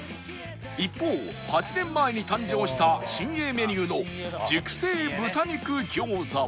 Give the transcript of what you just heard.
一方８年前に誕生した新鋭メニューの熟成豚肉餃子は